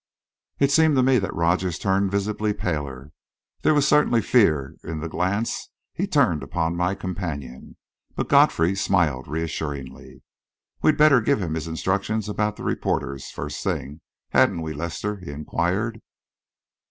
It seemed to me that Rogers turned visibly paler; there was certainly fear in the glance he turned upon my companion. But Godfrey smiled reassuringly. "We'd better give him his instructions about the reporters, first thing, hadn't we, Lester?" he inquired.